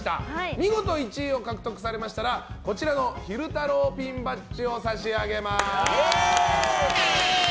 見事１位を獲得しましたらこちらの昼太郎ピンバッジを差し上げます。